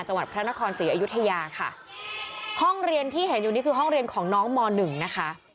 จังหวัดพระนครศรีอยุธยาค่ะห้องเรียนที่เห็นอยู่นี่คือห้องเรียนของน้องมหนึ่งนะคะ